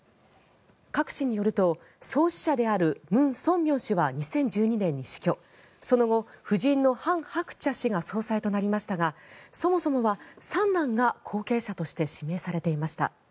カク氏によると創始者であるムン・ソンミョン氏は２０１２年に死去その後、夫人のハン・ハクチャ総裁が総裁となりましたがそもそもは三男が後継者として指名されていました。